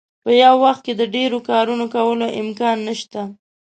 په یو وخت کې د ډیرو کارونو کولو امکان نشته.